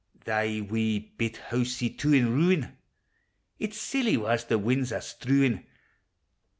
Thy wee bit housie, too, in ruin! Its silly wa's the win's are strewin'!